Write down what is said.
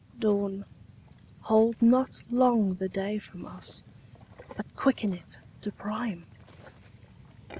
— Dawn, hold not long the day from us, But quicken it to prime!